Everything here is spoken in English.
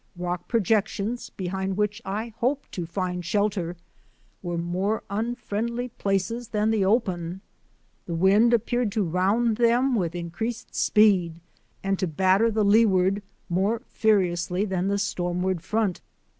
Rock projections, behind which I hoped to find shelter, were more unfriendly places than the open. The wind appeared to round them with increased speed, and to batter the leeward more furiously than the stormward front.